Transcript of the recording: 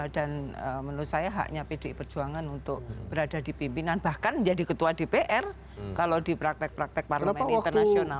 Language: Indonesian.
dan menurut saya haknya pdi perjuangan untuk berada di pimpinan bahkan jadi ketua dpr kalau di praktek praktek parmen internasional